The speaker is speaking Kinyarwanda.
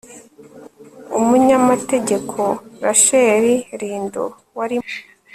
umunyamategeko rasheli lindon wari mu